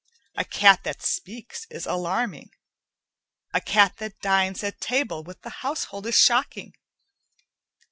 A cat that speaks is alarming. A cat that dines at table with the household is shocking.